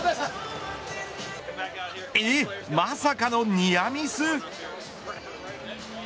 え、まさかのニアミス。